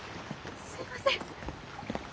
すいません！